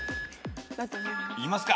いきますか。